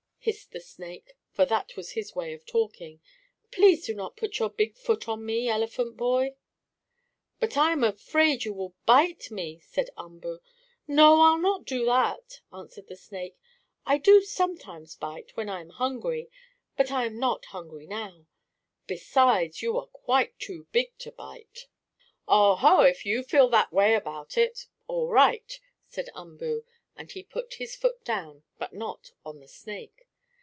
hissed the snake, for that was his way of talking. "Please do not put your big foot on me, elephant boy!" "But I am afraid you will bite me," said Umboo. "No, I'll not do that," answered the snake. "I do sometimes bite, when I am hungry, but I am not hungry now. Besides, you are quite too big to bite." "Oh, ho, if you feel that way about it, all right," said Umboo, and he put his foot down, but not on the snake.